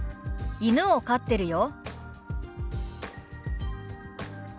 「犬を飼ってるよ」。